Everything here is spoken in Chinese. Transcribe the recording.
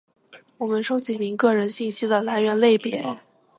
我们收集您个人信息的来源类别；